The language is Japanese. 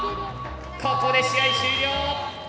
ここで試合終了。